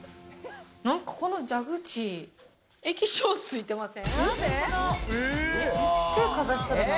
この蛇口、液晶ついてません？